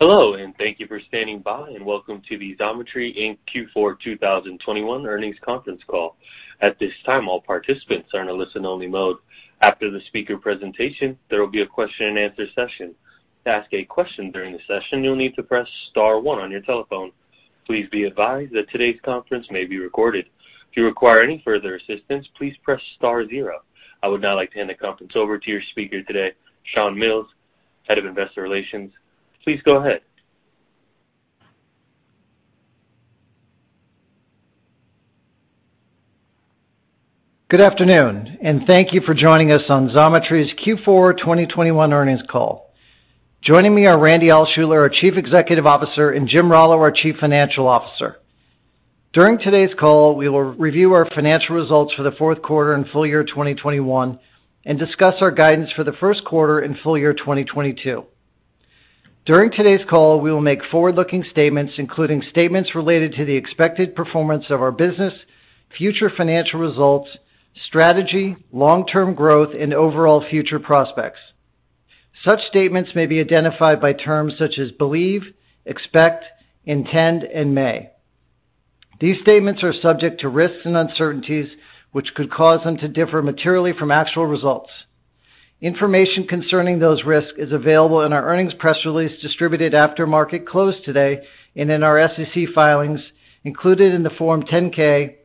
Hello, and thank you for standing by, and welcome to the Xometry, Inc Q4 2021 earnings conference call. At this time, all participants are in a listen-only mode. After the speaker presentation, there will be a question-and-answer session. To ask a question during the session, you'll need to press star one on your telephone. Please be advised that today's conference may be recorded. If you require any further assistance, please press star zero. I would now like to hand the conference over to your speaker today, Shawn Milne, Head of Investor Relations. Please go ahead. Good afternoon, and thank you for joining us on Xometry's Q4 2021 earnings call. Joining me are Randy Altschuler, our Chief Executive Officer, and Jim Rallo, our Chief Financial Officer. During today's call, we will review our financial results for the fourth quarter and full year 2021, and discuss our guidance for the first quarter and full year 2022. During today's call, we will make forward-looking statements, including statements related to the expected performance of our business, future financial results, strategy, long-term growth, and overall future prospects. Such statements may be identified by terms such as believe, expect, intend, and may. These statements are subject to risks and uncertainties, which could cause them to differ materially from actual results. Information concerning those risks is available in our earnings press release distributed after market close today, and in our SEC filings, included in the Form 10-K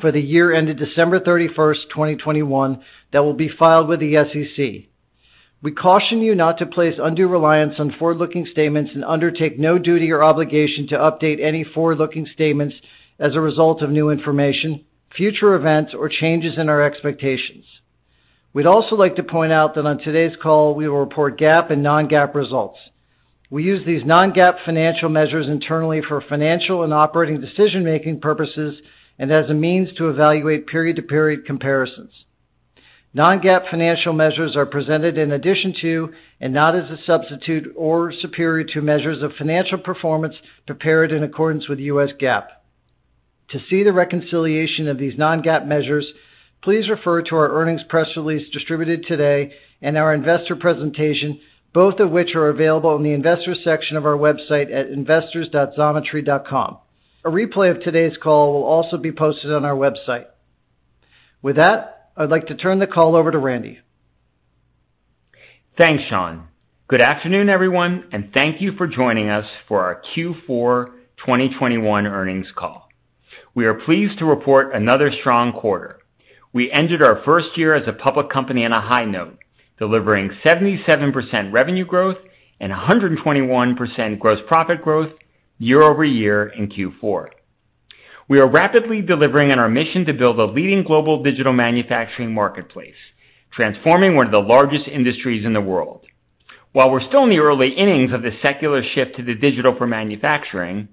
for the year ended December 31st, 2021 that will be filed with the SEC. We caution you not to place undue reliance on forward-looking statements and undertake no duty or obligation to update any forward-looking statements as a result of new information, future events, or changes in our expectations. We'd also like to point out that on today's call, we will report GAAP and non-GAAP results. We use these non-GAAP financial measures internally for financial and operating decision-making purposes, and as a means to evaluate period-to-period comparisons. Non-GAAP financial measures are presented in addition to and not as a substitute or superior to measures of financial performance prepared in accordance with U.S. GAAP. To see the reconciliation of these non-GAAP measures, please refer to our earnings press release distributed today and our investor presentation, both of which are available in the investor section of our website at investors.xometry.com. A replay of today's call will also be posted on our website. With that, I'd like to turn the call over to Randy. Thanks, Shawn. Good afternoon, everyone, and thank you for joining us for our Q4 2021 earnings call. We are pleased to report another strong quarter. We ended our first year as a public company on a high note, delivering 77% revenue growth and 121% gross profit growth year-over-year in Q4. We are rapidly delivering on our mission to build a leading global digital manufacturing marketplace, transforming one of the largest industries in the world. While we're still in the early innings of this secular shift to the digital for manufacturing,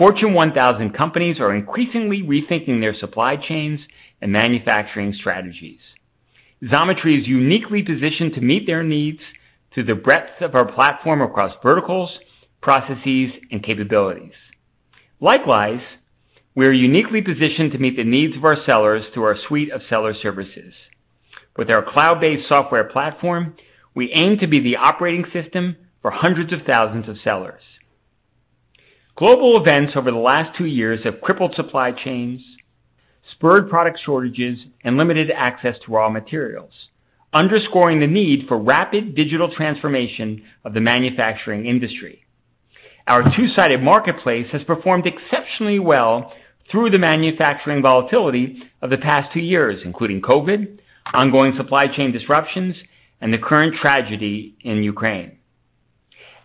Fortune 1,000 companies are increasingly rethinking their supply chains and manufacturing strategies. Xometry is uniquely positioned to meet their needs through the breadth of our platform across verticals, processes, and capabilities. Likewise, we are uniquely positioned to meet the needs of our sellers through our suite of seller services. With our cloud-based software platform, we aim to be the operating system for hundreds of thousands of sellers. Global events over the last two years have crippled supply chains, spurred product shortages, and limited access to raw materials, underscoring the need for rapid digital transformation of the manufacturing industry. Our two-sided marketplace has performed exceptionally well through the manufacturing volatility of the past two years, including COVID, ongoing supply chain disruptions, and the current tragedy in Ukraine.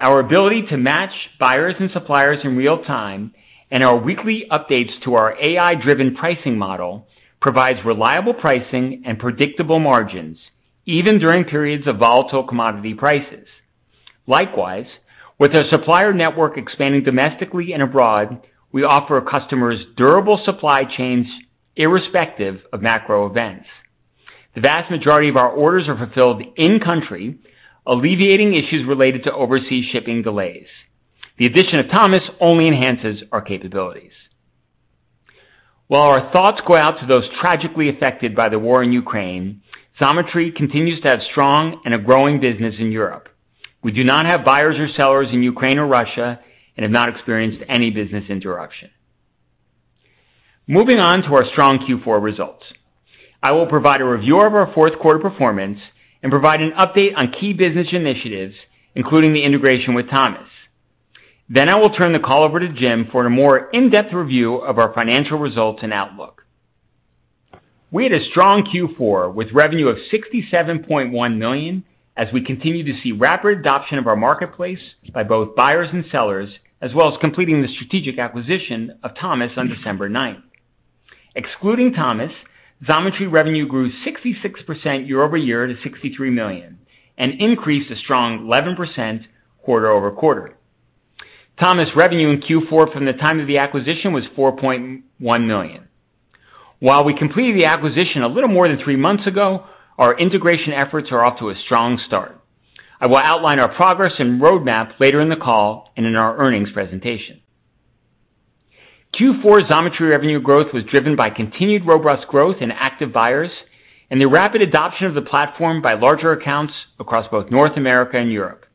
Our ability to match buyers and suppliers in real time and our weekly updates to our AI-driven pricing model provides reliable pricing and predictable margins, even during periods of volatile commodity prices. Likewise, with our supplier network expanding domestically and abroad, we offer customers durable supply chains irrespective of macro events. The vast majority of our orders are fulfilled in country, alleviating issues related to overseas shipping delays. The addition of Thomas only enhances our capabilities. While our thoughts go out to those tragically affected by the war in Ukraine, Xometry continues to have strong and growing business in Europe. We do not have buyers or sellers in Ukraine or Russia and have not experienced any business interruption. Moving on to our strong Q4 results. I will provide a review of our fourth quarter performance and provide an update on key business initiatives, including the integration with Thomas. Then I will turn the call over to Jim for a more in-depth review of our financial results and outlook. We had a strong Q4, with revenue of $67.1 million as we continue to see rapid adoption of our marketplace by both buyers and sellers, as well as completing the strategic acquisition of Thomas on December ninth. Excluding Thomas, Xometry revenue grew 66% year-over-year to $63 million and increased a strong 11% quarter-over-quarter. Thomas revenue in Q4 from the time of the acquisition was $4.1 million. While we completed the acquisition a little more than three months ago, our integration efforts are off to a strong start. I will outline our progress and roadmap later in the call and in our earnings presentation. Q4 Xometry revenue growth was driven by continued robust growth in active buyers and the rapid adoption of the platform by larger accounts across both North America and Europe.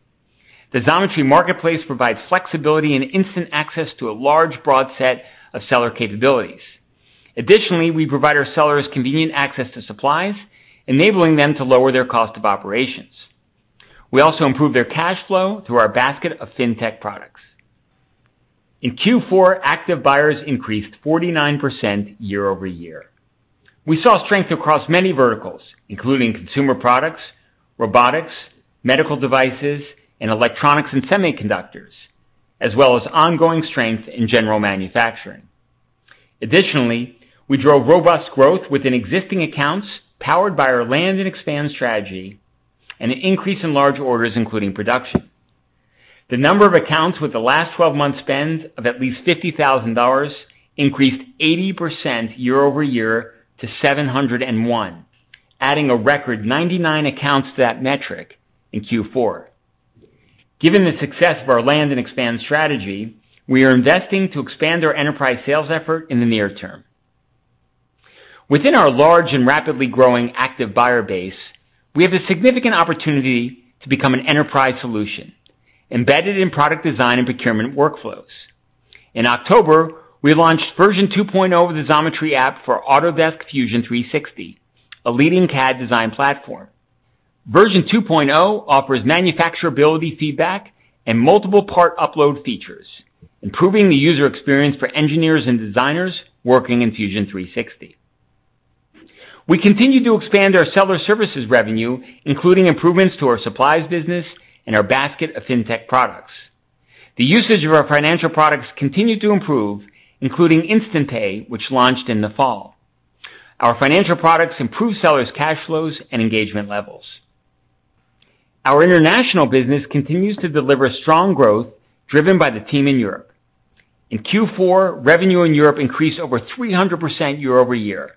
The Xometry marketplace provides flexibility and instant access to a large, broad set of seller capabilities. Additionally, we provide our sellers convenient access to supplies, enabling them to lower their cost of operations. We also improve their cash flow through our basket of fintech products. In Q4, active buyers increased 49% year-over-year. We saw strength across many verticals, including consumer products, robotics, medical devices, and electronics and semiconductors, as well as ongoing strength in general manufacturing. Additionally, we drove robust growth within existing accounts powered by our land and expand strategy and an increase in large orders, including production. The number of accounts with the last twelve months spend of at least $50,000 increased 80% year-over-year to 701, adding a record 99 accounts to that metric in Q4. Given the success of our land and expand strategy, we are investing to expand our enterprise sales effort in the near term. Within our large and rapidly growing active buyer base, we have a significant opportunity to become an enterprise solution embedded in product design and procurement workflows. In October, we launched version 2.0 of the Xometry app for Autodesk Fusion 360, a leading CAD design platform. Version 2.0 offers manufacturability feedback and multiple part upload features, improving the user experience for engineers and designers working in Fusion 360. We continue to expand our seller services revenue, including improvements to our supplies business and our basket of fintech products. The usage of our financial products continued to improve, including InstantPay, which launched in the fall. Our financial products improve sellers' cash flows and engagement levels. Our international business continues to deliver strong growth driven by the team in Europe. In Q4, revenue in Europe increased over 300% year-over-year.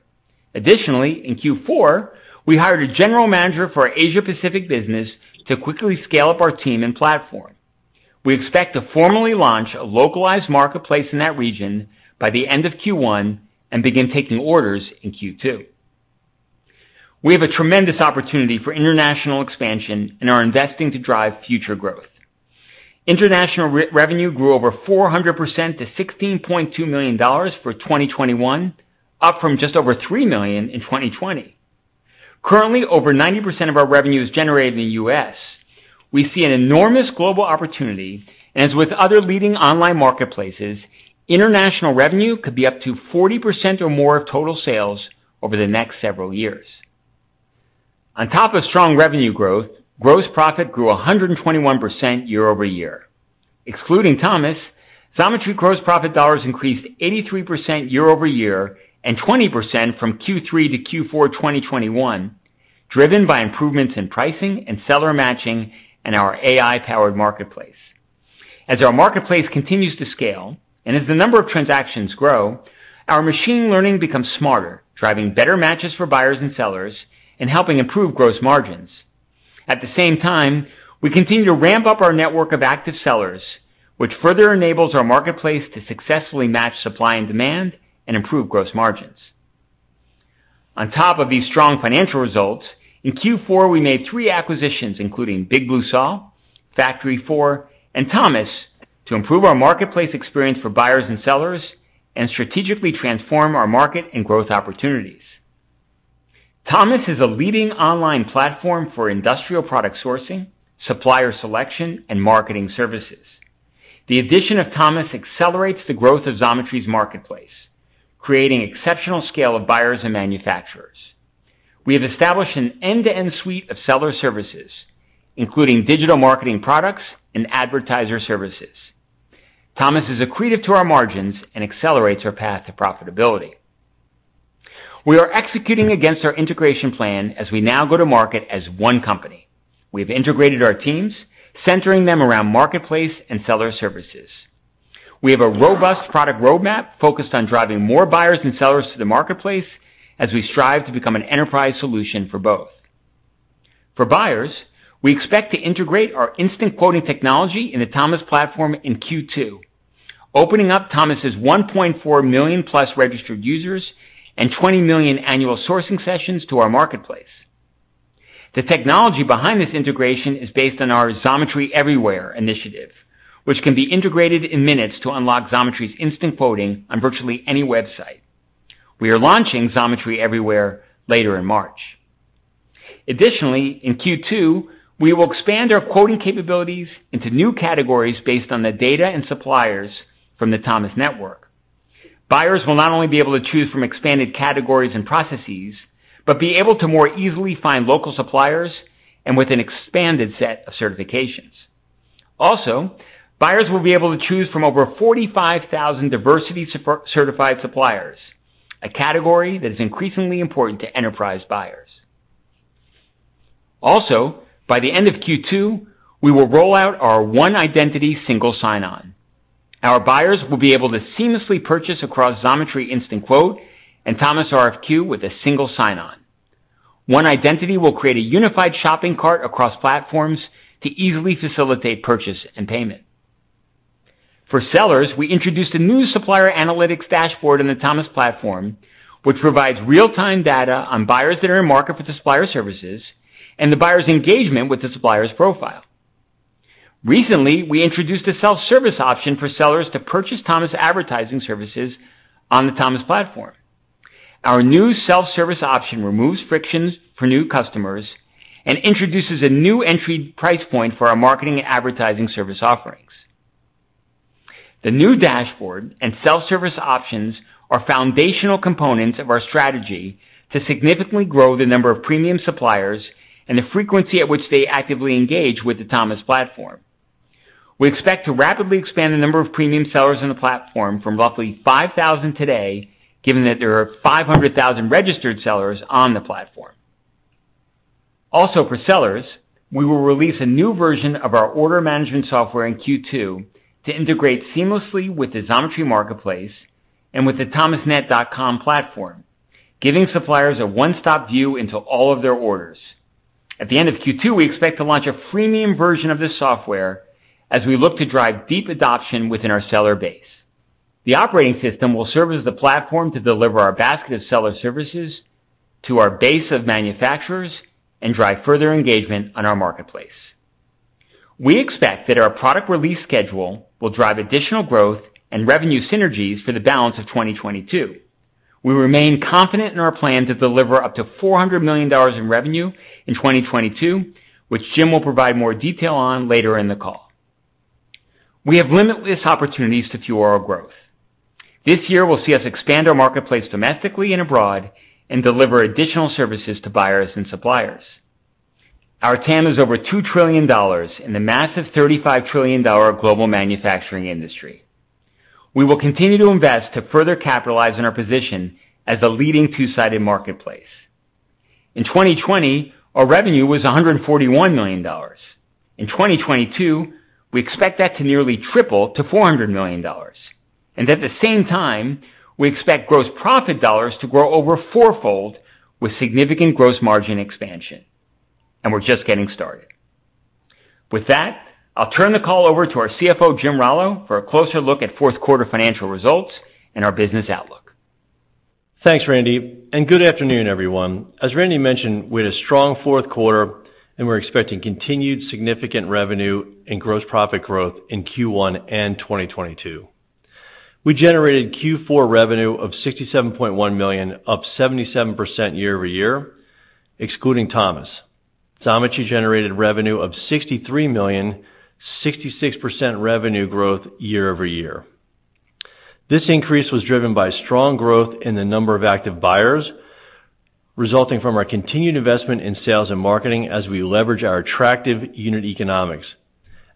Additionally, in Q4, we hired a general manager for our Asia-Pacific business to quickly scale up our team and platform. We expect to formally launch a localized marketplace in that region by the end of Q1 and begin taking orders in Q2. We have a tremendous opportunity for international expansion and are investing to drive future growth. International revenue grew over 400% to $16.2 million for 2021, up from just over $3 million in 2020. Currently, over 90% of our revenue is generated in the U.S. We see an enormous global opportunity, and as with other leading online marketplaces, international revenue could be up to 40% or more of total sales over the next several years. On top of strong revenue growth, gross profit grew 121% year-over-year. Excluding Thomas, Xometry gross profit dollars increased 83% year-over-year and 20% from Q3 to Q4 2021, driven by improvements in pricing and seller matching in our AI-powered marketplace. As our marketplace continues to scale, and as the number of transactions grow, our machine learning becomes smarter, driving better matches for buyers and sellers and helping improve gross margins. At the same time, we continue to ramp up our network of active sellers, which further enables our marketplace to successfully match supply and demand and improve gross margins. On top of these strong financial results, in Q4, we made three acquisitions, including Big Blue Saw, FactoryFour, and Thomas, to improve our marketplace experience for buyers and sellers and strategically transform our market and growth opportunities. Thomas is a leading online platform for industrial product sourcing, supplier selection, and marketing services. The addition of Thomas accelerates the growth of Xometry's marketplace, creating exceptional scale of buyers and manufacturers. We have established an end-to-end suite of seller services, including digital marketing products and advertiser services. Thomas is accretive to our margins and accelerates our path to profitability. We are executing against our integration plan as we now go to market as one company. We have integrated our teams, centering them around marketplace and seller services. We have a robust product roadmap focused on driving more buyers and sellers to the marketplace as we strive to become an enterprise solution for both. For buyers, we expect to integrate our instant quoting technology in the Thomas platform in Q2, opening up Thomas's 1.4 million-plus registered users and 20 million annual sourcing sessions to our marketplace. The technology behind this integration is based on our Xometry Everywhere initiative, which can be integrated in minutes to unlock Xometry's instant quoting on virtually any website. We are launching Xometry Everywhere later in March. Additionally, in Q2, we will expand our quoting capabilities into new categories based on the data and suppliers from the Thomas network. Buyers will not only be able to choose from expanded categories and processes, but be able to more easily find local suppliers and with an expanded set of certifications. Also, buyers will be able to choose from over 45,000 diversity supplier-certified suppliers, a category that is increasingly important to enterprise buyers. Also, by the end of Q2, we will roll out our One Identity Single Sign-On. Our buyers will be able to seamlessly purchase across Xometry Instant Quote and Thomas RFQ with a single sign-on. One Identity will create a unified shopping cart across platforms to easily facilitate purchase and payment. For sellers, we introduced a new supplier analytics dashboard in the Thomas platform, which provides real-time data on buyers that are in market for the supplier services and the buyer's engagement with the supplier's profile. Recently, we introduced a self-service option for sellers to purchase Thomas advertising services on the Thomas platform. Our new self-service option removes frictions for new customers and introduces a new entry price point for our marketing advertising service offerings. The new dashboard and self-service options are foundational components of our strategy to significantly grow the number of premium suppliers and the frequency at which they actively engage with the Thomas platform. We expect to rapidly expand the number of premium sellers in the platform from roughly 5,000 today, given that there are 500,000 registered sellers on the platform. Also for sellers, we will release a new version of our order management software in Q2 to integrate seamlessly with the Xometry marketplace and with the Thomasnet.com platform, giving suppliers a one-stop view into all of their orders. At the end of Q2, we expect to launch a freemium version of this software as we look to drive deep adoption within our seller base. The operating system will serve as the platform to deliver our basket of seller services to our base of manufacturers and drive further engagement on our marketplace. We expect that our product release schedule will drive additional growth and revenue synergies for the balance of 2022. We remain confident in our plan to deliver up to $400 million in revenue in 2022, which Jim will provide more detail on later in the call. We have limitless opportunities to fuel our growth. This year will see us expand our marketplace domestically and abroad and deliver additional services to buyers and suppliers. Our TAM is over $2 trillion in the massive $35 trillion global manufacturing industry. We will continue to invest to further capitalize on our position as a leading two-sided marketplace. In 2020, our revenue was $141 million. In 2022, we expect that to nearly triple to $400 million. At the same time, we expect gross profit dollars to grow over four-fold with significant gross margin expansion. We're just getting started. With that, I'll turn the call over to our CFO, Jim Rallo, for a closer look at fourth quarter financial results and our business outlook. Thanks, Randy, and good afternoon, everyone. As Randy mentioned, we had a strong fourth quarter, and we're expecting continued significant revenue and gross profit growth in Q1 and 2022. We generated Q4 revenue of $67.1 million, up 77% year-over-year, excluding Thomas. Xometry generated revenue of $63 million, 66% revenue growth year-over-year. This increase was driven by strong growth in the number of active buyers, resulting from our continued investment in sales and marketing as we leverage our attractive unit economics,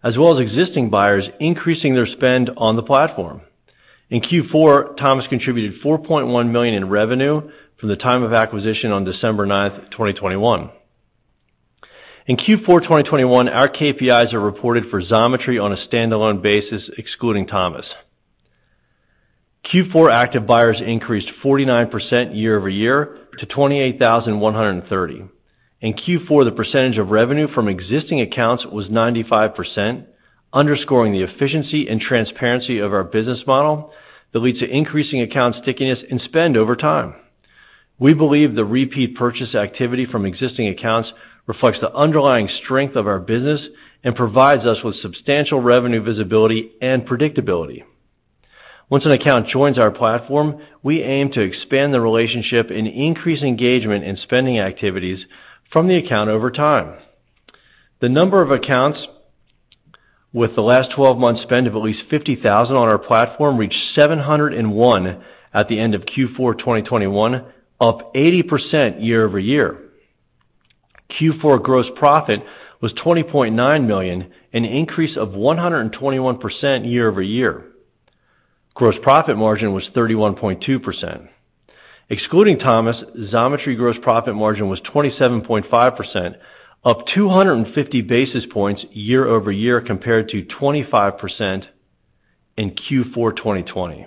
as well as existing buyers increasing their spend on the platform. In Q4, Thomas contributed $4.1 million in revenue from the time of acquisition on December 9th, 2021. In Q4 2021, our KPIs are reported for Xometry on a standalone basis, excluding Thomas. Q4 active buyers increased 49% year over year to 28,130. In Q4, the percentage of revenue from existing accounts was 95%, underscoring the efficiency and transparency of our business model that leads to increasing account stickiness and spend over time. We believe the repeat purchase activity from existing accounts reflects the underlying strength of our business and provides us with substantial revenue visibility and predictability. Once an account joins our platform, we aim to expand the relationship and increase engagement in spending activities from the account over time. The number of accounts with the last twelve months spend of at least $50,000 on our platform reached 701 at the end of Q4 2021, up 80% year-over-year. Q4 gross profit was $20.9 million, an increase of 121% year-over-year. Gross profit margin was 31.2%. Excluding Thomas, Xometry gross profit margin was 27.5%, up 250 basis points year-over-year compared to 25% in Q4 2020.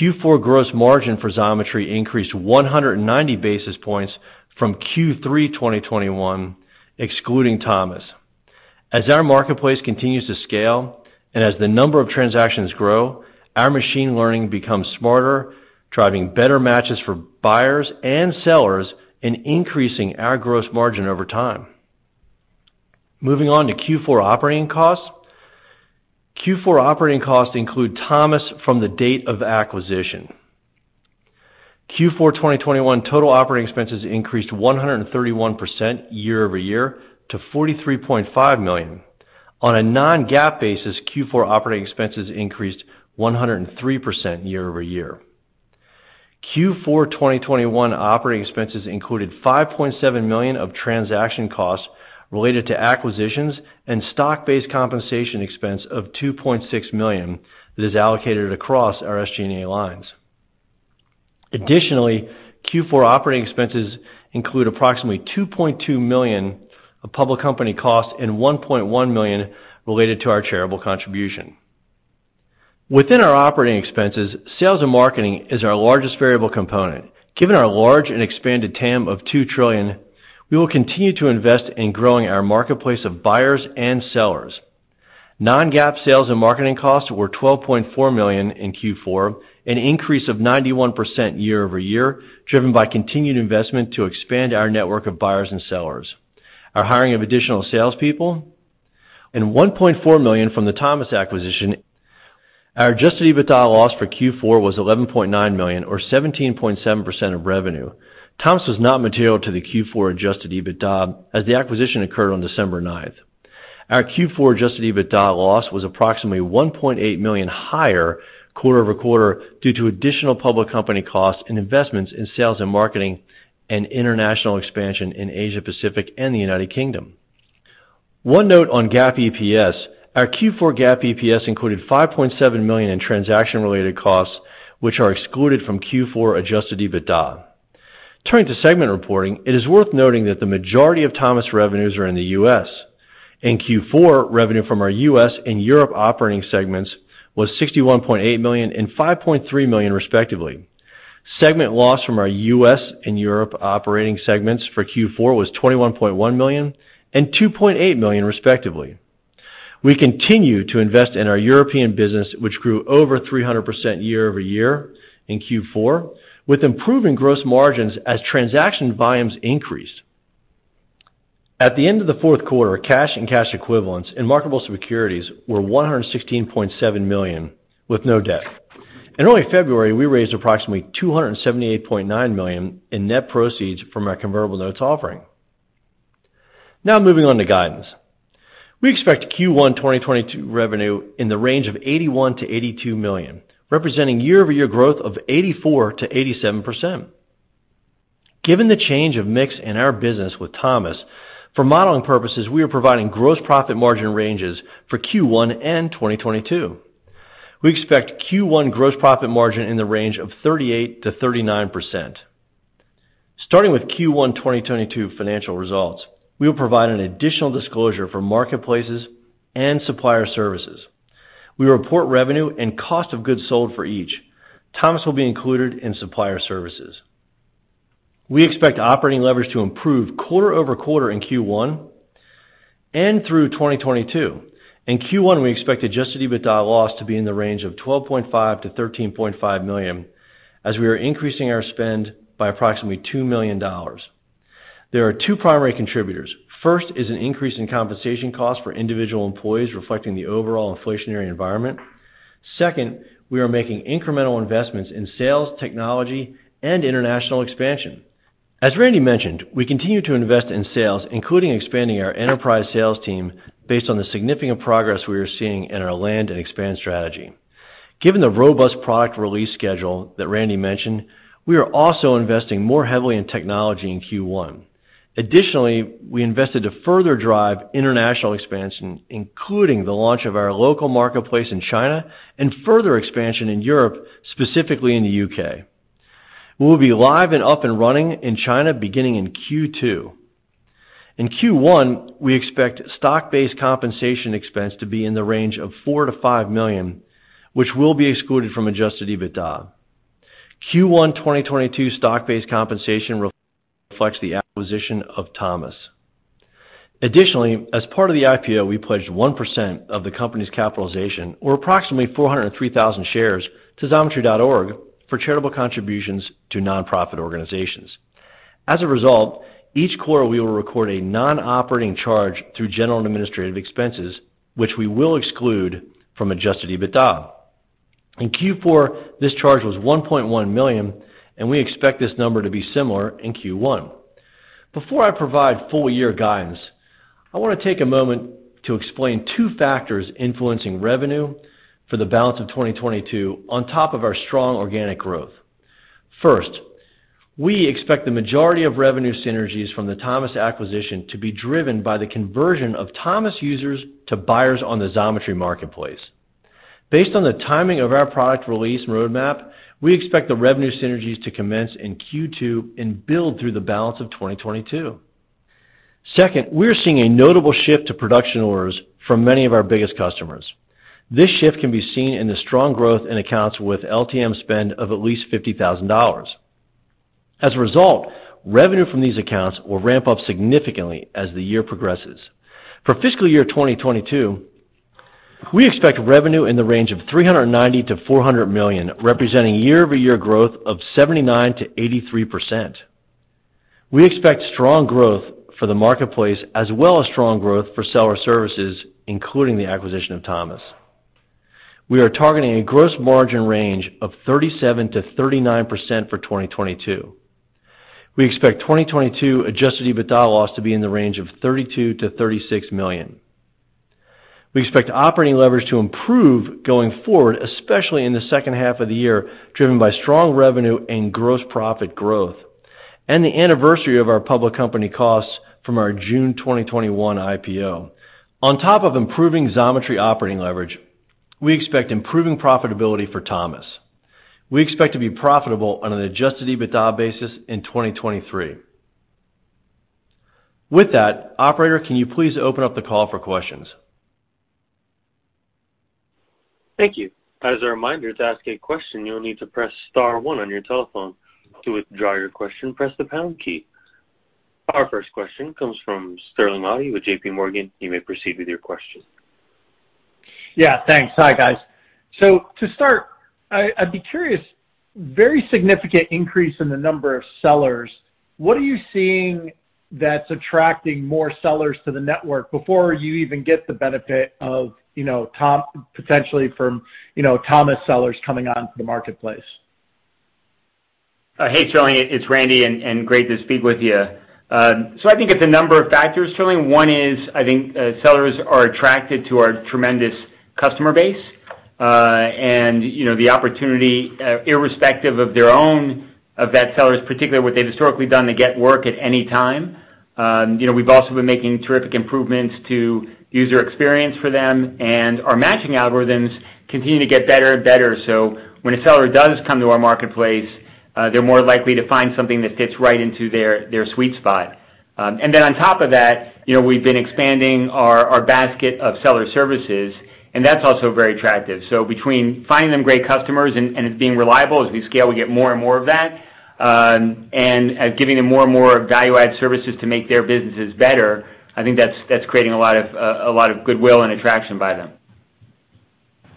Q4 gross margin for Xometry increased 190 basis points from Q3 2021, excluding Thomas. As our marketplace continues to scale and as the number of transactions grow, our machine learning becomes smarter, driving better matches for buyers and sellers, and increasing our gross margin over time. Moving on to Q4 operating costs. Q4 operating costs include Thomas from the date of the acquisition. Q4 2021 total operating expenses increased 131% year-over-year to $43.5 million. On a non-GAAP basis, Q4 operating expenses increased 103% year-over-year. Q4 2021 operating expenses included $5.7 million of transaction costs related to acquisitions and stock-based compensation expense of $2.6 million that is allocated across our SG&A lines. Additionally, Q4 operating expenses include approximately $2.2 million of public company costs and $1.1 million related to our charitable contribution. Within our operating expenses, sales and marketing is our largest variable component. Given our large and expanded TAM of $2 trillion, we will continue to invest in growing our marketplace of buyers and sellers. Non-GAAP sales and marketing costs were $12.4 million in Q4, an increase of 91% year-over-year, driven by continued investment to expand our network of buyers and sellers, our hiring of additional salespeople, and $1.4 million from the Thomas acquisition. Our adjusted EBITDA loss for Q4 was $11.9 million or 17.7% of revenue. Thomas was not material to the Q4 adjusted EBITDA as the acquisition occurred on December 9th. Our Q4 adjusted EBITDA loss was approximately $1.8 million higher quarter-over-quarter due to additional public company costs and investments in sales and marketing and international expansion in Asia-Pacific and the United Kingdom. One note on GAAP EPS. Our Q4 GAAP EPS included $5.7 million in transaction-related costs, which are excluded from Q4 adjusted EBITDA. Turning to segment reporting, it is worth noting that the majority of Thomas revenues are in the U.S. In Q4, revenue from our U.S. and Europe operating segments was $61.8 million and $5.3 million, respectively. Segment loss from our U.S. and Europe operating segments for Q4 was $21.1 million and $2.8 million, respectively. We continue to invest in our European business, which grew over 300% year-over-year in Q4, with improving gross margins as transaction volumes increased. At the end of the fourth quarter, cash and cash equivalents and marketable securities were $116.7 million with no debt. In early February, we raised approximately $278.9 million in net proceeds from our convertible notes offering. Now moving on to guidance. We expect Q1 2022 revenue in the range of $81 million-$82 million, representing year-over-year growth of 84%-87%. Given the change of mix in our business with Thomas, for modeling purposes, we are providing gross profit margin ranges for Q1 and 2022. We expect Q1 gross profit margin in the range of 38%-39%. Starting with Q1 2022 financial results, we will provide an additional disclosure for marketplaces and supplier services. We report revenue and cost of goods sold for each. Thomas will be included in supplier services. We expect operating leverage to improve quarter-over-quarter in Q1 and through 2022. In Q1, we expect adjusted EBITDA loss to be in the range of $12.5 million-$13.5 million as we are increasing our spend by approximately $2 million. There are two primary contributors. First is an increase in compensation costs for individual employees reflecting the overall inflationary environment. Second, we are making incremental investments in sales, technology, and international expansion. As Randy mentioned, we continue to invest in sales, including expanding our enterprise sales team based on the significant progress we are seeing in our land and expand strategy. Given the robust product release schedule that Randy mentioned, we are also investing more heavily in technology in Q1. Additionally, we invested to further drive international expansion, including the launch of our local marketplace in China and further expansion in Europe, specifically in the U.K. We will be live and up and running in China beginning in Q2. In Q1, we expect stock-based compensation expense to be in the range of $4 million-$5 million, which will be excluded from adjusted EBITDA. Q1 2022 stock-based compensation reflects the acquisition of Thomas. Additionally, as part of the IPO, we pledged 1% of the company's capitalization, or approximately 403,000 shares, to xometry.org for charitable contributions to nonprofit organizations. As a result, each quarter we will record a non-operating charge through general and administrative expenses, which we will exclude from adjusted EBITDA. In Q4, this charge was $1.1 million, and we expect this number to be similar in Q1. Before I provide full year guidance, I wanna take a moment to explain two factors influencing revenue for the balance of 2022 on top of our strong organic growth. First, we expect the majority of revenue synergies from the Thomas acquisition to be driven by the conversion of Thomas users to buyers on the Xometry marketplace. Based on the timing of our product release roadmap, we expect the revenue synergies to commence in Q2 and build through the balance of 2022. Second, we're seeing a notable shift to production orders from many of our biggest customers. This shift can be seen in the strong growth in accounts with LTM spend of at least $50,000. As a result, revenue from these accounts will ramp up significantly as the year progresses. For fiscal year 2022, we expect revenue in the range of $390 million-$400 million, representing year-over-year growth of 79%-83%. We expect strong growth for the marketplace as well as strong growth for seller services, including the acquisition of Thomas. We are targeting a gross margin range of 37%-39% for 2022. We expect 2022 adjusted EBITDA loss to be in the range of $32 million-$36 million. We expect operating leverage to improve going forward, especially in the second half of the year, driven by strong revenue and gross profit growth and the anniversary of our public company costs from our June 2021 IPO. On top of improving Xometry operating leverage, we expect improving profitability for Thomas. We expect to be profitable on an adjusted EBITDA basis in 2023. With that, operator, can you please open up the call for questions? Thank you. As a reminder, to ask a question, you'll need to press star one on your telephone. To withdraw your question, press the pound key. Our first question comes from Sterling Auty with JPMorgan. You may proceed with your question. Yeah, thanks. Hi, guys. To start, I'd be curious, very significant increase in the number of sellers. What are you seeing that's attracting more sellers to the network before you even get the benefit of, you know, Thomas sellers coming onto the marketplace? Hey, Sterling. It's Randy, and great to speak with you. I think it's a number of factors, Sterling. One is, I think, sellers are attracted to our tremendous customer base, and, you know, the opportunity, irrespective of their own, of those sellers, particularly what they've historically done to get work at any time. You know, we've also been making terrific improvements to user experience for them, and our matching algorithms continue to get better and better. When a seller does come to our marketplace, they're more likely to find something that fits right into their sweet spot. Then on top of that, you know, we've been expanding our basket of seller services, and that's also very attractive. Between finding them great customers and it being reliable, as we scale, we get more and more of that, and giving them more and more value-add services to make their businesses better, I think that's creating a lot of goodwill and attraction by them.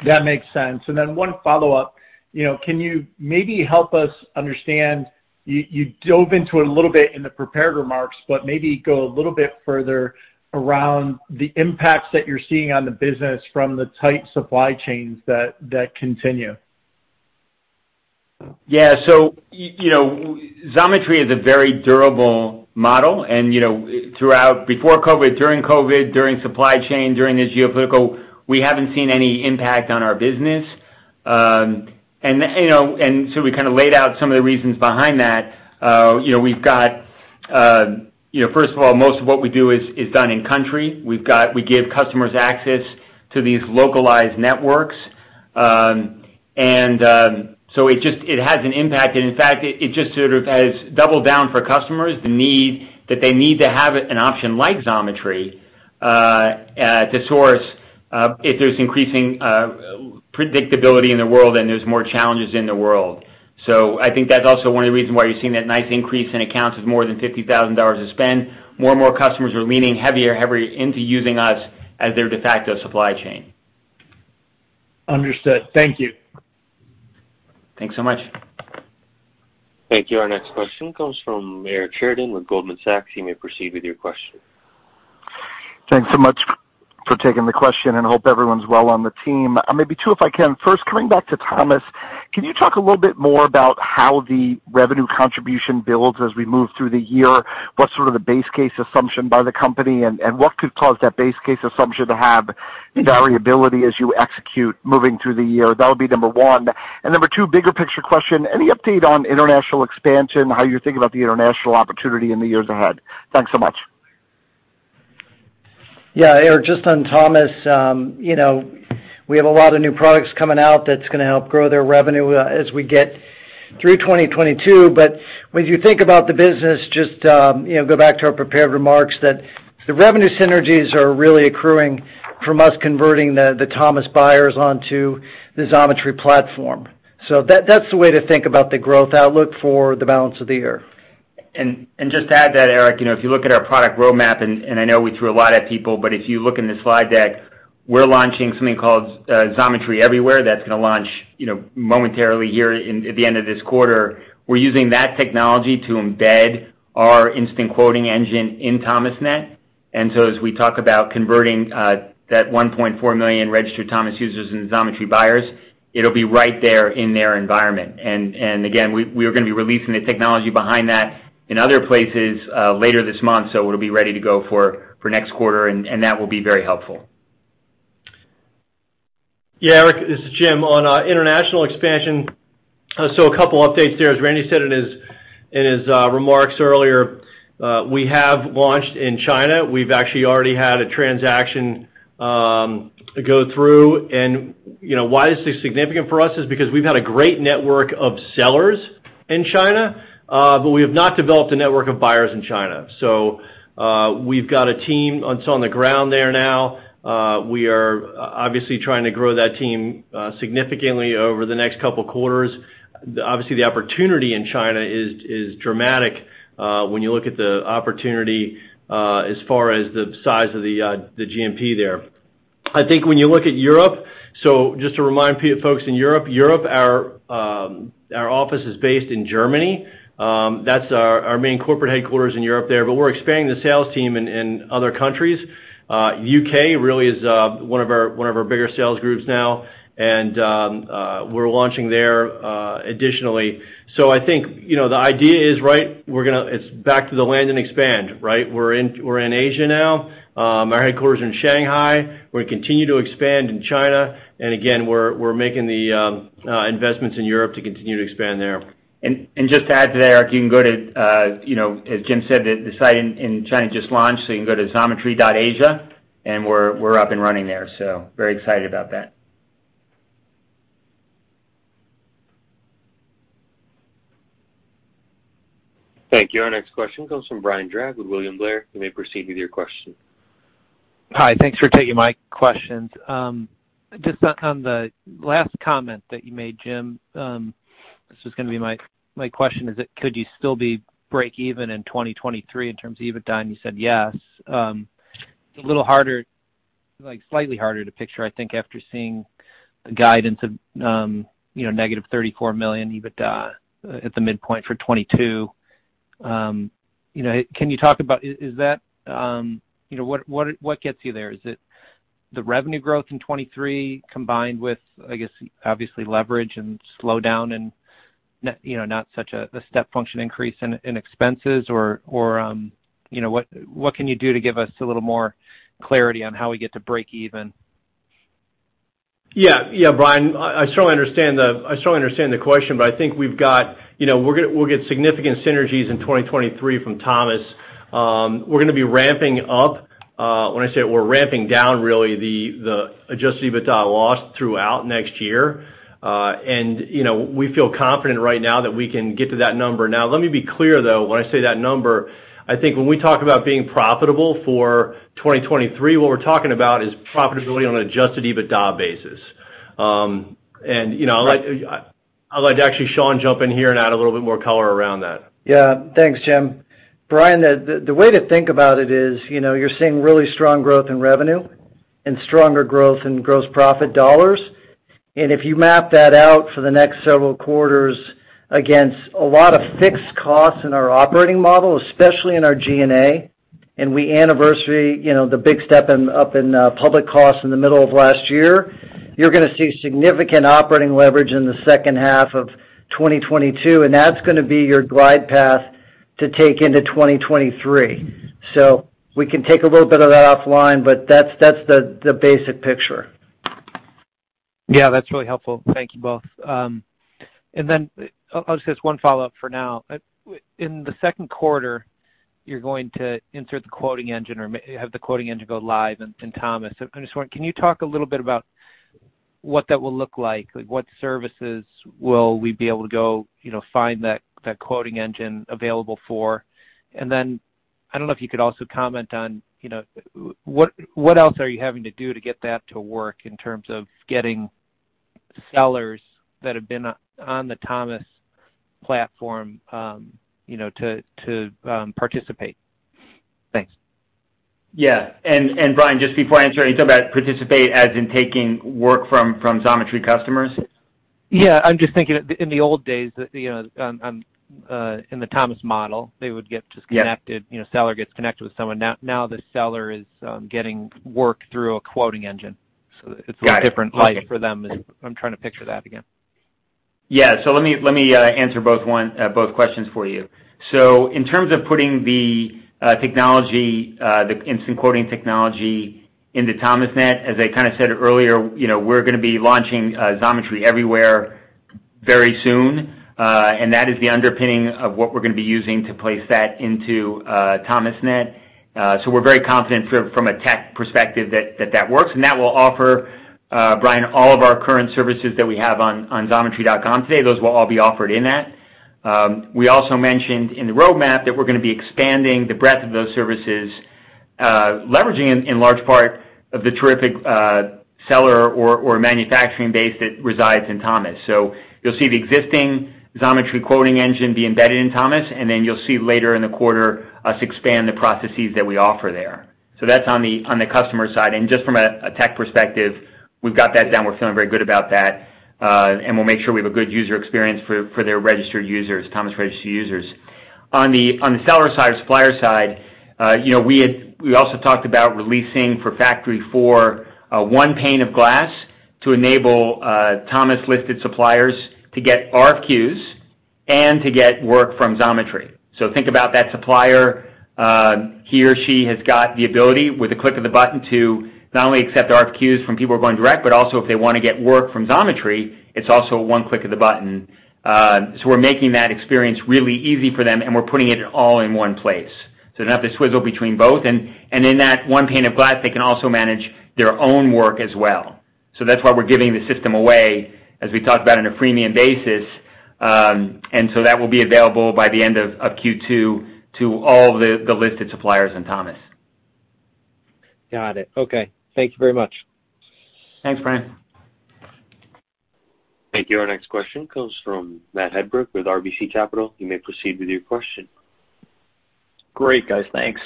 That makes sense. One follow-up. You know, can you maybe help us understand, you dove into it a little bit in the prepared remarks, but maybe go a little bit further around the impacts that you're seeing on the business from the tight supply chains that continue? Yeah. You know, Xometry is a very durable model and, you know, throughout, before COVID, during COVID, during supply chain, during this geopolitical, we haven't seen any impact on our business. You know, we kinda laid out some of the reasons behind that. You know, first of all, most of what we do is done in country. We give customers access to these localized networks. It just has an impact. In fact, it just sort of has doubled down for customers the need that they need to have an option like Xometry to source if there's increasing unpredictability in the world and there's more challenges in the world. I think that's also one of the reasons why you're seeing that nice increase in accounts of more than $50,000 of spend. More and more customers are leaning heavier and heavier into using us as their de facto supply chain. Understood. Thank you. Thanks so much. Thank you. Our next question comes from Eric Sheridan with Goldman Sachs. You may proceed with your question. Thanks so much for taking the question, and hope everyone's well on the team. Maybe two, if I can. First, coming back to Thomas, can you talk a little bit more about how the revenue contribution builds as we move through the year? What's sort of the base case assumption by the company, and what could cause that base case assumption to have the variability as you execute moving through the year? That'll be number one. And number two, bigger picture question, any update on international expansion, how you think about the international opportunity in the years ahead? Thanks so much. Yeah, Eric, just on Thomas, you know, we have a lot of new products coming out that's gonna help grow their revenue, as we get through 2022. When you think about the business, just, you know, go back to our prepared remarks that the revenue synergies are really accruing from us converting the Thomas buyers onto the Xometry platform. That, that's the way to think about the growth outlook for the balance of the year. Just to add to that, Eric, you know, if you look at our product roadmap, I know we threw a lot at people, but if you look in the slide deck, we're launching something called Xometry Everywhere that's gonna launch, you know, momentarily here at the end of this quarter. We're using that technology to embed our instant quoting engine in Thomasnet. And so as we talked about converting that 1.4 million registered Thomas uses in Xometry buyers it will be right there in their environment. And again, we are gonna be releasing the technology behind that in other places later this month, so it'll be ready to go for next quarter, and that will be very helpful. Yeah, Eric, this is Jim. On international expansion, a couple updates there. As Randy said in his remarks earlier, we have launched in China. We've actually already had a transaction go through. You know, why is this significant for us is because we've had a great network of sellers in China, but we have not developed a network of buyers in China. We've got a team that's on the ground there now. We are obviously trying to grow that team significantly over the next couple quarters. Obviously, the opportunity in China is dramatic when you look at the opportunity as far as the size of the GDP there. I think when you look at Europe, just to remind folks in Europe, our office is based in Germany. That's our main corporate headquarters in Europe there, but we're expanding the sales team in other countries. U.K. really is one of our bigger sales groups now, and we're launching there additionally. I think, you know, the idea is, right, it's back to the land and expand, right? We're in Asia now. Our headquarters in Shanghai. We continue to expand in China. We're making the investments in Europe to continue to expand there. Just to add to that, Eric, you can go to, you know, as Jim said, the site in China just launched, so you can go to xometry.asia, and we're up and running there. Very excited about that. Thank you. Our next question comes from Brian Drab with William Blair. You may proceed with your question. Hi. Thanks for taking my questions. Just on the last comment that you made, Jim, this is gonna be my question is that could you still be break even in 2023 in terms of EBITDA? You said yes. It's a little harder, like, slightly harder to picture, I think, after seeing the guidance of, you know, negative $34 million EBITDA at the midpoint for 2022. You know, can you talk about is that, you know, what gets you there? Is it the revenue growth in 2023 combined with, I guess, obviously leverage and slowdown and you know, not such a step function increase in expenses or, you know, what can you do to give us a little more clarity on how we get to break even? Yeah. Yeah, Brian, I certainly understand the question, but I think we've got, you know, we'll get significant synergies in 2023 from Thomas. We're gonna be ramping up, when I say it, we're ramping down really the adjusted EBITDA loss throughout next year. And, you know, we feel confident right now that we can get to that number. Now, let me be clear though, when I say that number, I think when we talk about being profitable for 2023, what we're talking about is profitability on an adjusted EBITDA basis. And, you know, I'd like to actually Shawn jump in here and add a little bit more color around that. Yeah. Thanks, Jim. Brian, the way to think about it is, you know, you're seeing really strong growth in revenue and stronger growth in gross profit dollars. If you map that out for the next several quarters against a lot of fixed costs in our operating model, especially in our G&A, and we anniversary, you know, the big step up in public costs in the middle of last year, you're gonna see significant operating leverage in the second half of 2022, and that's gonna be your glide path to take into 2023. We can take a little bit of that offline, but that's the basic picture. Yeah, that's really helpful. Thank you both. I'll just have one follow-up for now. In the second quarter, you're going to have the quoting engine go live in Thomas. I'm just wondering, can you talk a little bit about what that will look like? Like, what services will we be able to go, you know, find that quoting engine available for? I don't know if you could also comment on, you know, what else are you having to do to get that to work in terms of getting sellers that have been on the Thomas platform, you know, to participate? Thanks. Yeah. Brian, just before I answer, are you talking about participate as in taking work from Xometry customers? Yeah. I'm just thinking in the old days, you know, in the Thomas model, they would get just connected, you know, seller gets connected with someone. Now the seller is getting work through a quoting engine. It's a different life for them, and I'm trying to picture that again. Yeah. Let me answer both questions for you. In terms of putting the technology, the instant quoting technology into Thomasnet as I kinda said earlier, you know, we're gonna be launching Xometry Everywhere very soon, and that is the underpinning of what we're gonna be using to place that into Thomasnet. We're very confident from a tech perspective that that works. That will offer, Brian, all of our current services that we have on xometry.com today. Those will all be offered in that. We also mentioned in the roadmap that we're gonna be expanding the breadth of those services, leveraging in large part the terrific seller or manufacturing base that resides in Thomas. You'll see the existing Xometry quoting engine be embedded in Thomas, and then you'll see later in the quarter we expand the processes that we offer there. That's on the customer side. Just from a tech perspective, we've got that down. We're feeling very good about that, and we'll make sure we have a good user experience for their registered users, Thomas registered users. On the seller side or supplier side, you know, we also talked about releasing for FactoryFour one pane of glass to enable Thomas-listed suppliers to get RQs and to get work from Xometry. Think about that supplier, he or she has got the ability with a click of a button to not only accept RFQs from people who are going direct, but also if they wanna get work from Xometry, it's also one click of the button. We're making that experience really easy for them, and we're putting it all in one place. They don't have to switch between both. In that one pane of glass, they can also manage their own work as well. That's why we're giving the system away as we talked about on a freemium basis. That will be available by the end of Q2 to all the listed suppliers in Thomas. Got it. Okay. Thank you very much. Thanks, Brian. Thank you. Our next question comes from Matt Hedberg with RBC Capital. You may proceed with your question. Great, guys. Thanks.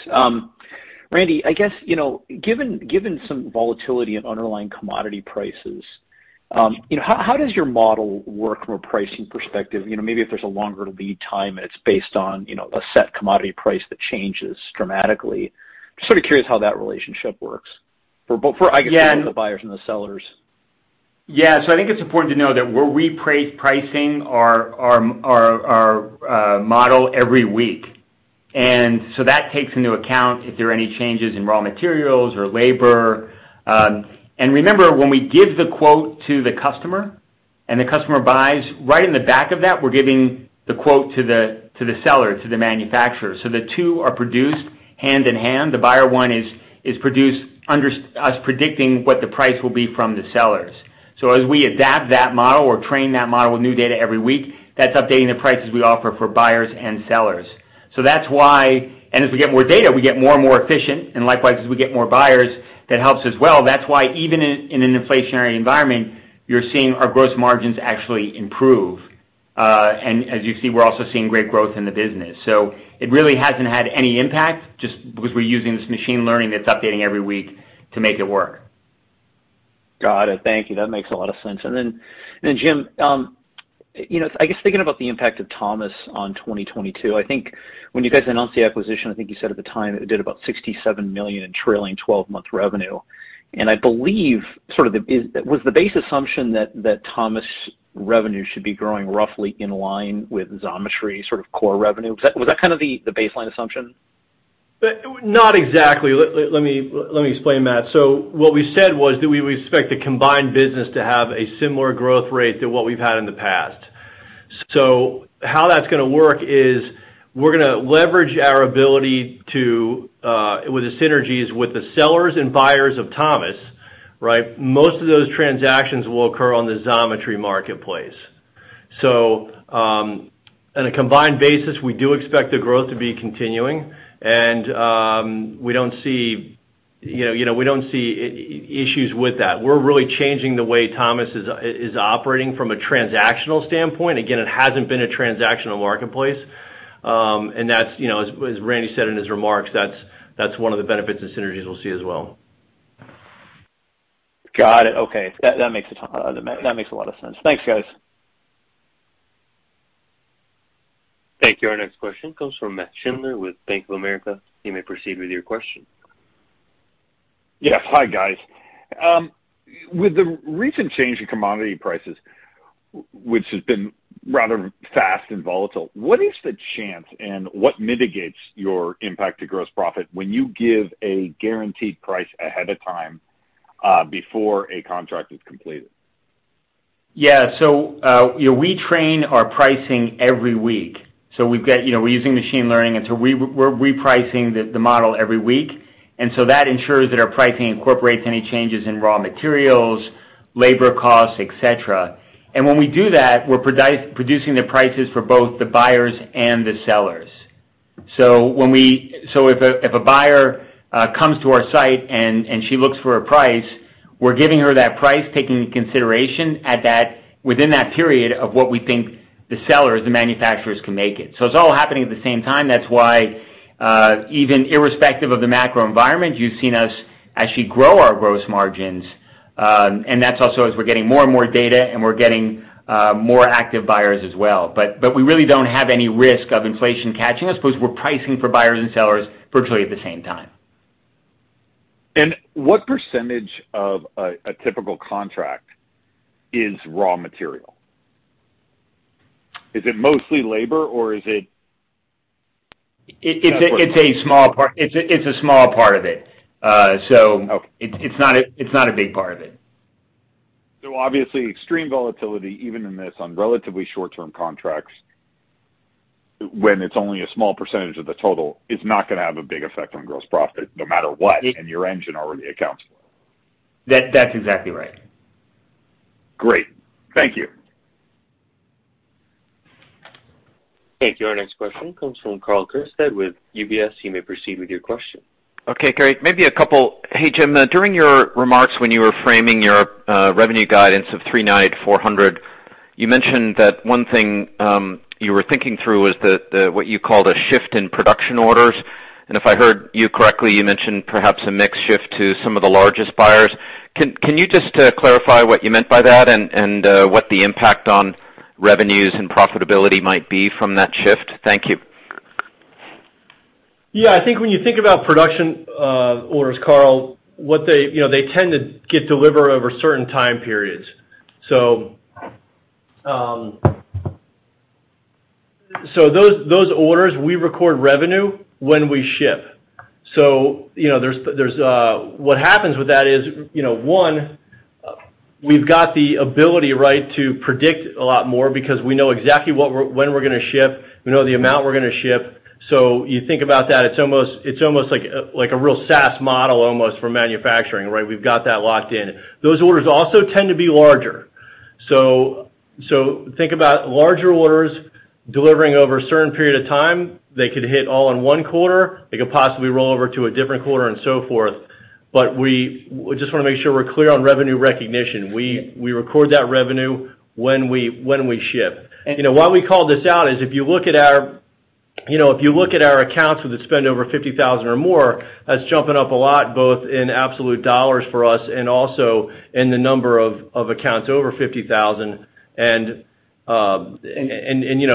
Randy, I guess, you know, given some volatility in underlying commodity prices, you know, how does your model work from a pricing perspective? You know, maybe if there's a longer lead time, and it's based on, you know, a set commodity price that changes dramatically. Just sort of curious how that relationship works for both the buyers and the sellers? Yeah. I think it's important to know that we're pricing our model every week. That takes into account if there are any changes in raw materials or labor. Remember, when we give the quote to the customer and the customer buys, right in the back of that, we're giving the quote to the seller, to the manufacturer. The two are produced hand in hand. The buyer one is produced under us predicting what the price will be from the sellers. As we adapt that model or train that model with new data every week, that's updating the prices we offer for buyers and sellers. That's why. As we get more data, we get more and more efficient, and likewise, as we get more buyers, that helps as well. That's why even in an inflationary environment, you're seeing our gross margins actually improve. As you see, we're also seeing great growth in the business. It really hasn't had any impact, just because we're using this machine learning that's updating every week to make it work. Got it. Thank you. That makes a lot of sense. Jim, you know, I guess thinking about the impact of Thomas on 2022, I think when you guys announced the acquisition, I think you said at the time it did about $67 million in trailing twelve-month revenue. I believe the base assumption was that Thomas revenue should be growing roughly in line with Xometry sort of core revenue. Was that kind of the baseline assumption? Not exactly. Let me explain, Matt. What we said was that we would expect the combined business to have a similar growth rate to what we've had in the past. How that's gonna work is we're gonna leverage our ability to with the synergies with the sellers and buyers of Thomas, right? Most of those transactions will occur on the Xometry marketplace. On a combined basis, we do expect the growth to be continuing, and we don't see, you know, we don't see issues with that. We're really changing the way Thomas is operating from a transactional standpoint. Again, it hasn't been a transactional marketplace. That's, you know, as Randy said in his remarks, that's one of the benefits and synergies we'll see as well. Got it. Okay. That makes a lot of sense. Thanks, guys. Thank you. Our next question comes from Matt Shindler with Bank of America. You may proceed with your question. Yes. Hi, guys. With the recent change in commodity prices, which has been rather fast and volatile, what is the chance and what mitigates your impact to gross profit when you give a guaranteed price ahead of time, before a contract is completed? We train our pricing every week. We've got, you know, we're using machine learning, and so we're repricing the model every week. That ensures that our pricing incorporates any changes in raw materials, labor costs, et cetera. When we do that, we're producing the prices for both the buyers and the sellers. If a buyer comes to our site and she looks for a price, we're giving her that price, taking into consideration within that period of what we think the sellers, the manufacturers, can make it. It's all happening at the same time. That's why even irrespective of the macro environment, you've seen us actually grow our gross margins. That's also as we're getting more and more data and we're getting more active buyers as well. We really don't have any risk of inflation catching us because we're pricing for buyers and sellers virtually at the same time. What percentage of a typical contract is raw material? Is it mostly labor or is it? It's a small part of it. Okay. It's not a big part of it. Obviously, extreme volatility, even in this on relatively short-term contracts, when it's only a small percentage of the total, it's not gonna have a big effect on gross profit no matter what, and your engine already accounts for it. That, that's exactly right. Great. Thank you. Thank you. Our next question comes from Karl Keirstead with UBS. You may proceed with your question. Okay, great. Maybe a couple. Hey, Jim, during your remarks when you were framing your revenue guidance of $394 million, you mentioned that one thing you were thinking through was the what you called a shift in production orders. If I heard you correctly, you mentioned perhaps a mix shift to some of the largest buyers. Can you just clarify what you meant by that and what the impact on revenues and profitability might be from that shift? Thank you. Yeah. I think when you think about production orders, Karl, what they, you know, they tend to get delivered over certain time periods. Those orders we record revenue when we ship. You know, what happens with that is, you know, one, we've got the ability, right, to predict a lot more because we know exactly when we're gonna ship, we know the amount we're gonna ship. You think about that, it's almost like a real SaaS model almost for manufacturing, right? We've got that locked in. Those orders also tend to be larger. Think about larger orders delivering over a certain period of time. They could hit all in one quarter. They could possibly roll over to a different quarter and so forth. We just wanna make sure we're clear on revenue recognition. We record that revenue when we ship. You know, why we call this out is if you look at our accounts with the spend over $50,000 or more, that's jumping up a lot, both in absolute dollars for us and also in the number of accounts over $50,000. You know,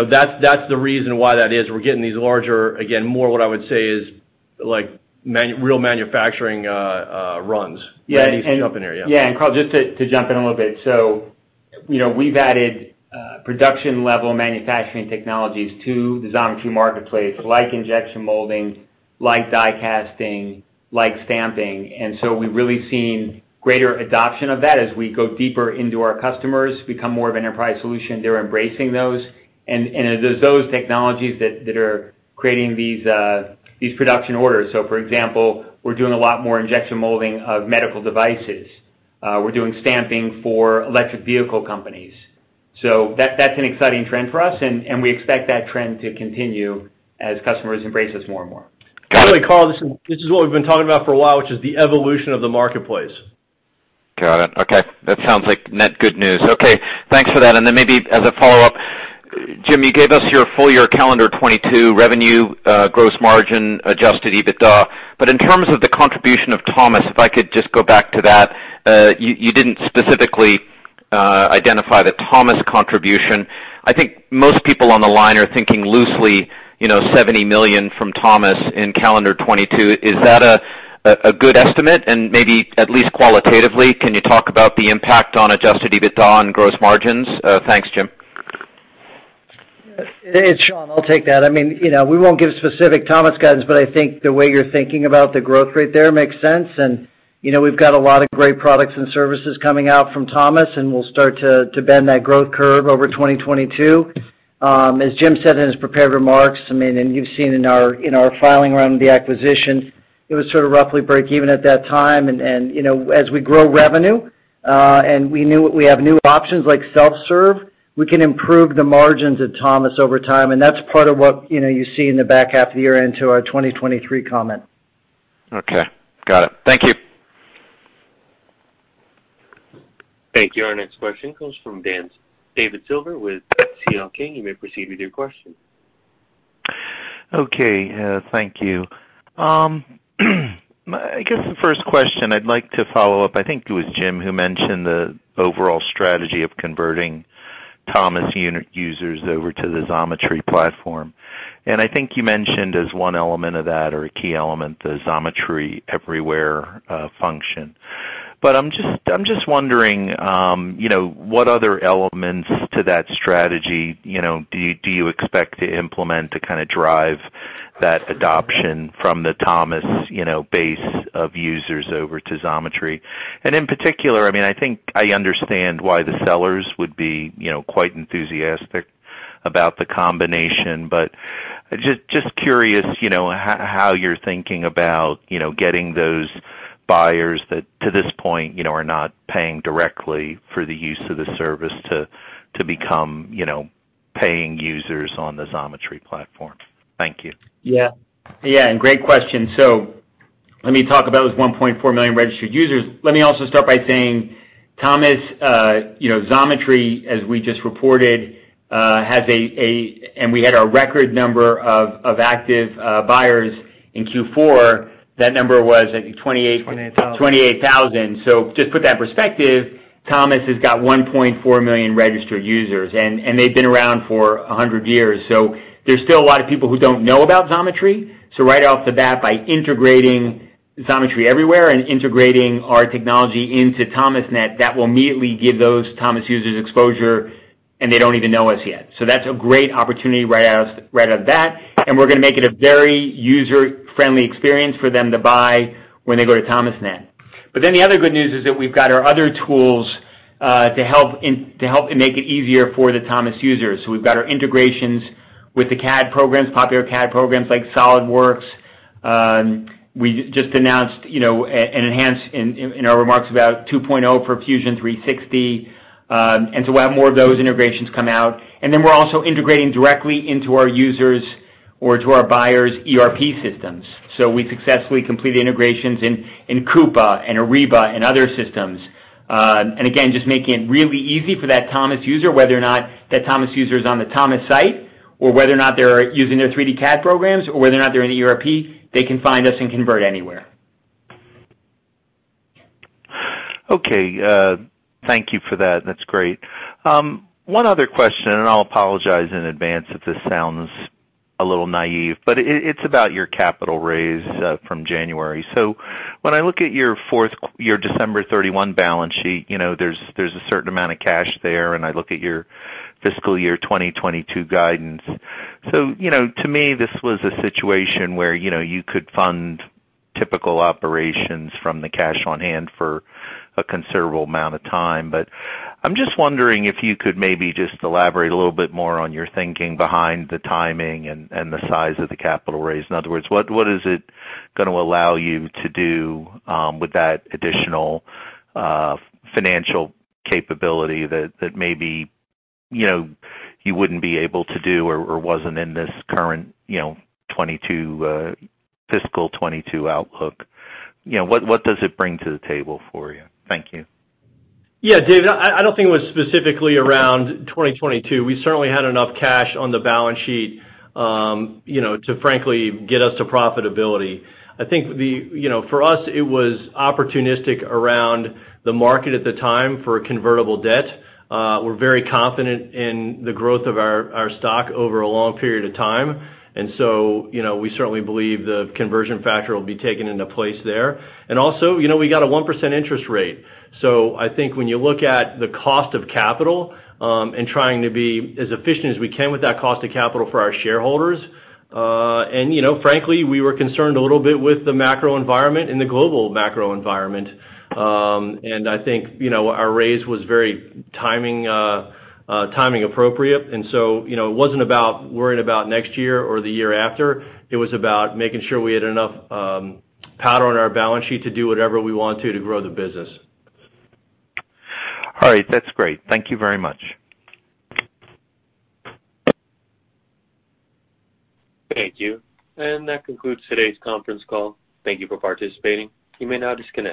that's the reason why that is. We're getting these larger, again, more what I would say is like real manufacturing runs. Randy's jumping here. Yeah. Yeah. Karl, just to jump in a little bit. You know, we've added production level manufacturing technologies to the Xometry marketplace, like injection molding, like die casting, like stamping. We've really seen greater adoption of that as we go deeper into our customers, become more of an enterprise solution, they're embracing those. It's those technologies that are creating these production orders. For example, we're doing a lot more injection molding of medical devices. We're doing stamping for electric vehicle companies. That's an exciting trend for us, and we expect that trend to continue as customers embrace us more and more. By the way, Karl, this is what we've been talking about for a while, which is the evolution of the marketplace. Got it. Okay. That sounds like net good news. Okay, thanks for that. Maybe as a follow-up, Jim, you gave us your full year calendar 2022 revenue, gross margin, adjusted EBITDA. In terms of the contribution of Thomas, if I could just go back to that, you didn't specifically identify the Thomas contribution. I think most people on the line are thinking loosely, you know, $70 million from Thomas in calendar 2022. Is that a good estimate? Maybe at least qualitatively, can you talk about the impact on adjusted EBITDA on gross margins? Thanks, Jim. It's Sean, I'll take that. I mean, you know, we won't give specific Thomas guidance, but I think the way you're thinking about the growth rate there makes sense. You know, we've got a lot of great products and services coming out from Thomas, and we'll start to bend that growth curve over 2022. As Jim said in his prepared remarks, I mean, and you've seen in our filing around the acquisition, it was sort of roughly break even at that time. You know, as we grow revenue, and we have new options like self-serve, we can improve the margins at Thomas over time, and that's part of what, you know, you see in the back half of the year into our 2023 comment. Okay. Got it. Thank you. Thank you. Our next question comes from David Silver with C.L. King. You may proceed with your question. Okay, thank you. I guess the first question I'd like to follow up, I think it was Jim who mentioned the overall strategy of converting Thomasnet users over to the Xometry platform. I think you mentioned as one element of that or a key element, the Xometry Everywhere function. I'm just wondering, you know, what other elements to that strategy, you know, do you expect to implement to kind of drive that adoption from the Thomasnet, you know, base of users over to Xometry? In particular, I mean, I think I understand why the sellers would be, you know, quite enthusiastic about the combination. Just curious, you know, how you're thinking about, you know, getting those buyers that, to this point, you know, are not paying directly for the use of the service to become, you know, paying users on the Xometry platform? Thank you. Yeah. Yeah, great question. Let me talk about those 1.4 million registered users. Let me also start by saying Thomas, Xometry, as we just reported. We had our record number of active buyers in Q4. That number was 28- 28,000. 28,000. Just put that in perspective, Thomas has got 1.4 million registered users, and they've been around for 100 years. There's still a lot of people who don't know about Xometry. Right off the bat, by integrating Xometry Everywhere and integrating our technology into Thomasnet, that will immediately give those Thomas users exposure, and they don't even know us yet. That's a great opportunity right out of the bat. We're gonna make it a very user-friendly experience for them to buy when they go to Thomasnet. The other good news is that we've got our other tools to help make it easier for the Thomas users. We've got our integrations with the CAD programs, popular CAD programs like SOLIDWORKS. We just announced, you know, an enhancement in our remarks about 2.0 for Fusion 360, and so we'll have more of those integrations come out. Then we're also integrating directly into our users or to our buyers' ERP systems. We successfully completed integrations in Coupa and Ariba and other systems. Again, just making it really easy for that Thomas user, whether or not that Thomas user is on the Thomas site or whether or not they're using their 3D CAD programs or whether or not they're in ERP, they can find us and convert anywhere. Okay, thank you for that. That's great. One other question, and I'll apologize in advance if this sounds a little naive, but it's about your capital raise from January. When I look at your December 31 balance sheet, you know, there's a certain amount of cash there, and I look at your fiscal year 2022 guidance. To me, this was a situation where, you know, you could fund typical operations from the cash on hand for a considerable amount of time. I'm just wondering if you could maybe just elaborate a little bit more on your thinking behind the timing and the size of the capital raise. In other words, what is it gonna allow you to do with that additional financial capability that maybe, you know, you wouldn't be able to do or wasn't in this current, you know, fiscal 2022 outlook? You know, what does it bring to the table for you? Thank you. Yeah, David, I don't think it was specifically around 2022. We certainly had enough cash on the balance sheet, you know, to frankly get us to profitability. I think, you know, for us, it was opportunistic around the market at the time for convertible debt. We're very confident in the growth of our stock over a long period of time. You know, we certainly believe the conversion factor will be taken into place there. Also, you know, we got a 1% interest rate. I think when you look at the cost of capital and trying to be as efficient as we can with that cost of capital for our shareholders, you know, frankly, we were concerned a little bit with the macro environment and the global macro environment. I think, you know, our raise was very timely. You know, it wasn't about worrying about next year or the year after. It was about making sure we had enough powder on our balance sheet to do whatever we want to grow the business. All right. That's great. Thank you very much. Thank you. That concludes today's conference call. Thank you for participating. You may now disconnect.